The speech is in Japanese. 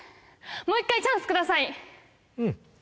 もう一回チャンス下さい！